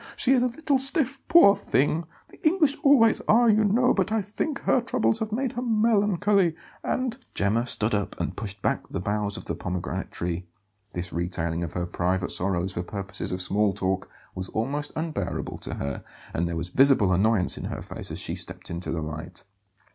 She is a little stiff, poor thing; the English always are, you know; but I think her troubles have made her melancholy, and " Gemma stood up and pushed back the boughs of the pomegranate tree. This retailing of her private sorrows for purposes of small talk was almost unbearable to her, and there was visible annoyance in her face as she stepped into the light.